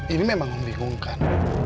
ini memang membingungkan